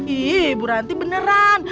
iiih bu ranti beneran